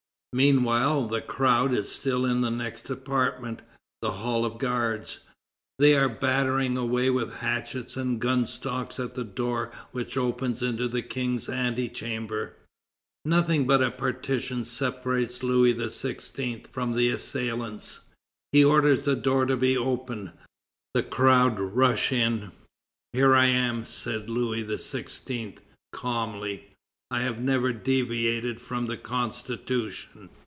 Meanwhile, the crowd is still in the next apartment, the Hall of the Guards. They are battering away with hatchets and gun stocks at the door which opens into the King's Antechamber. Nothing but a partition separates Louis XVI. from the assailants. He orders the door to be opened. The crowd rush in. "Here I am," says Louis XVI. calmly; "I have never deviated from the Constitution."